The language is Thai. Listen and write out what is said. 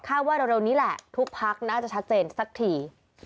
ว่าเร็วนี้แหละทุกพักน่าจะชัดเจนสักที